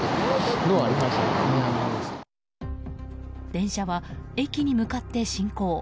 電車は駅に向かって進行。